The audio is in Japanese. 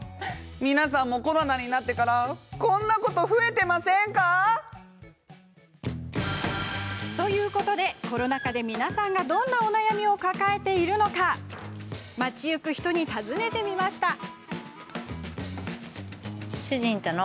皆さんもコロナになってからこんなこと増えていませんか？ということでコロナ禍で皆さんがどんなお悩みを抱えているのか町行く人に尋ねてみました。